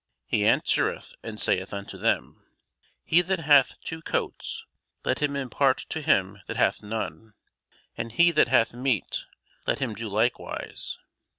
He answereth and saith unto them, He that hath two coats, let him impart to him that hath none; and he that hath meat, let him do likewise.